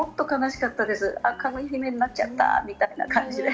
かぐや姫になっちゃったみたいな感じで。